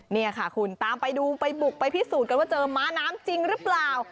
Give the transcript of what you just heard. นี่ค่ะคุณตามไปดูไปบุกไปพิสูจน์กันว่าเจอม้าน้ำจริงหรือเปล่า